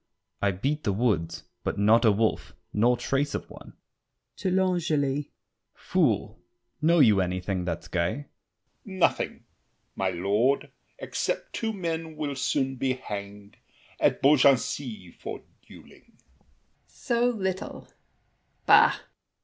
I beat The woods, but not a wolf, nor trace of one! [To L'Angely.] Fool, know you anything that's gay? L'ANGELY. Nothing, My lord, except two men will soon be hanged At Beaugency for dueling. ABBÉ DE GONDI. So little, Bah!